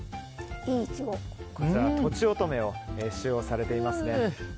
こちらはとちおとめを使用されています。